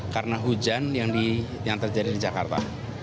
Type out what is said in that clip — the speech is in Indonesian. karena hujan yang terjadi di jakarta